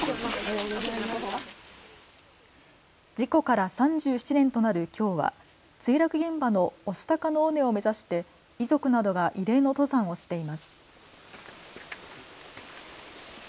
事故から３７年となるきょうは墜落現場の御巣鷹の尾根を目指して遺族などが慰霊の登山をしています。